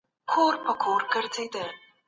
حرکت وکړئ چې برکت شه.